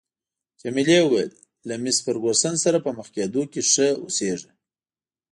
جميلې وويل: له مېس فرګوسن سره په مخ کېدو کې ښه اوسیږه.